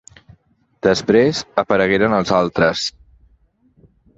Després aparegueren els altres.